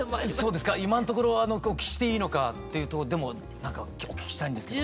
そうですか今のところはお聞きしていいのかっていうとでもなんかお聞きしたいんですけど。